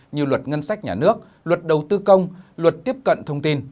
như luật ngân sách nhà nước luật đầu tư công luật tiếp cận thông tin